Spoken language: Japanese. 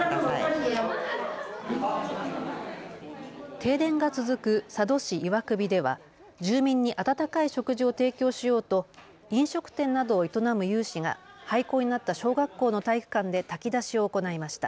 停電が続く佐渡市岩首では住民に温かい食事を提供しようと飲食店などを営む有志が廃校になった小学校の体育館で炊き出しを行いました。